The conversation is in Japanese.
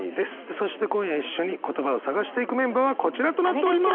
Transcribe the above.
そして今夜一緒に言葉を探していくメンバーはこちらとなっております！